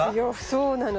そうなの。